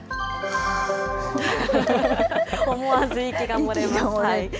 思わず息がもれます。